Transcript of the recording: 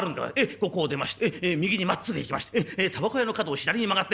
ここを出まして右にまっつぐ行きましてたばこ屋の角を左に曲がってずっと屋根があって」。